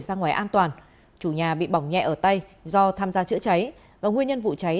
ra ngoài an toàn chủ nhà bị bỏng nhẹ ở tay do tham gia chữa cháy và nguyên nhân vụ cháy